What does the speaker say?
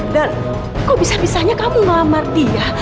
dan kok bisa bisanya kamu ngelamar dia